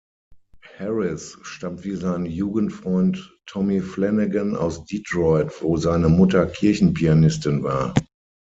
Harris stammt wie sein Jugendfreund Tommy Flanagan aus Detroit, wo seine Mutter Kirchen-Pianistin war.